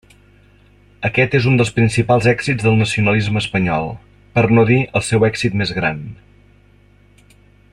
Aquest és un dels principals èxits del nacionalisme espanyol, per no dir el seu èxit més gran.